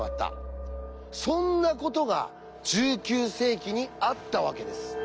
そんなことが１９世紀にあったわけです。